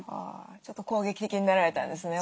ちょっと攻撃的になられたんですね